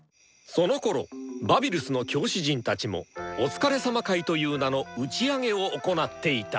そのころバビルスの教師陣たちもお疲れさま会という名の打ち上げを行っていた。